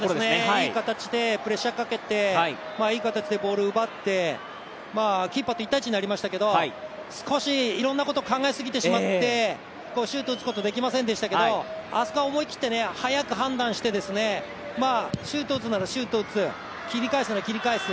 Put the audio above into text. いい形でプレッシャーかけていい形でボールを奪ってキーパーと１対１になりましたけど少しいろんなことを考えすぎてしまって打てませんでしたけどあそこは思い切って、早く判断してシュート打つならシュート打つ切り返すなら切り返す